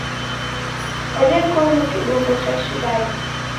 Orekoghe kidombo cha shighadi.